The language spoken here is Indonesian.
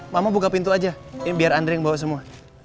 mama buka pintu aja biar andre yang bawa semua